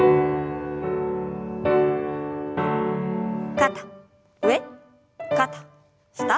肩上肩下。